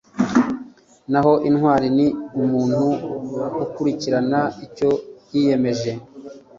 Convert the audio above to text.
naho intwari ni « umuntu ukurikirana icyo yiyemeje